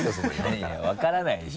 いやいや分からないでしょ。